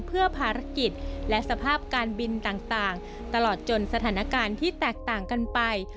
เพื่อภารกิจและสภาพการบินต่างตลอดจนสถานการณ์ที่แตกต่างกันไป